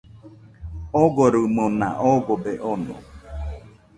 Ogorimona ogobe ono.